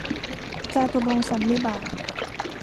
จาตุรงคสันนิบาต